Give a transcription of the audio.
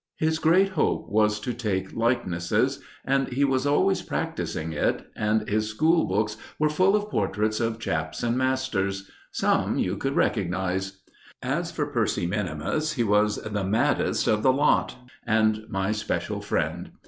His great hope was to take likenesses, and he was always practising it, and his school books were full of portraits of chaps and masters. Some you could recognize. As for Percy minimus, he was the maddest of the lot, and my special friend.